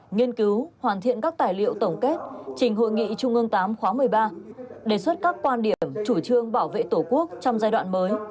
nghiên cứu hoàn thiện các tài liệu tổng kết trình hội nghị trung ương viii khóa một mươi ba đề xuất các quan điểm chủ trương bảo vệ tổ quốc trong giai đoạn mới